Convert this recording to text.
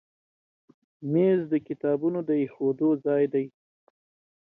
مېز د کتابونو د ایښودو ځای دی.